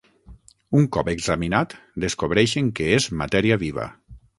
Un cop examinat, descobreixen que és matèria viva.